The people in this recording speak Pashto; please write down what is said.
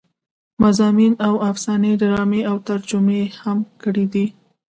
مضامين او افسانې ډرامې او ترجمې يې هم کړې دي